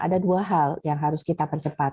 ada dua hal yang harus kita percepat